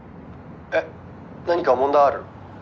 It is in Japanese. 「えっ何か問題ある？」